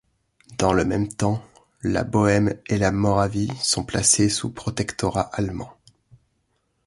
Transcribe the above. Dans le même temps, la Bohême et la Moravie sont placées sous protectorat allemand.